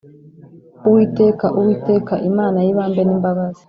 , “Uwiteka, Uwiteka, Imana y’ibambe n’imbabazi,